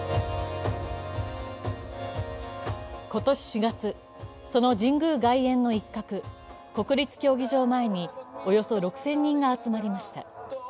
今年４月、その神宮外苑の一角、国立競技場前におよそ６０００人が集まりました。